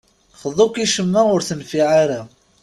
Xḍu-k i ccemma, ur tenfiɛ ara.